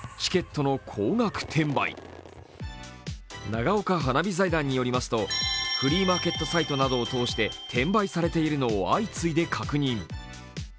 長岡花火財団によりますとフリーマーケットサイトなどを通して転売されているのを相次いで確認。